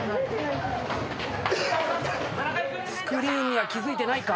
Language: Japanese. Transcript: スクリーンには気付いてないか？